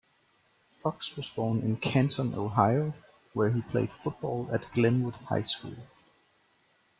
Fox was born in Canton, Ohio, where he played football at Glenwood High School.